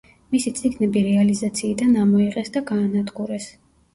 მისი წიგნები რეალიზაციიდან ამოიღეს და გაანადგურეს.